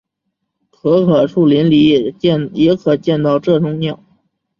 可可树林里也可见到这种鸟。